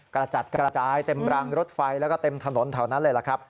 กระจัดกระจายเต็มรางรถไฟแล้วก็เต็มถนนแถวนั้นเลยล่ะครับ